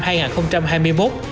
khi facebook đổ tên thành meta